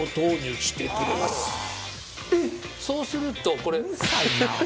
そうするとこれ。